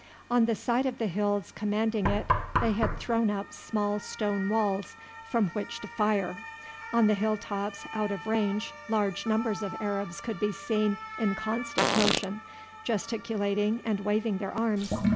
On the side of the hills commanding it they had thrown up small stone walls from which to fire. On the hilltops out of range large numbers of Arabs could be seen in constant motion, gesticulating and waving their arms.